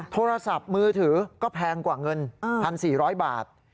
โทรศัพท์มือถือก็แพงกว่าเงิน๑๔๐๐บาท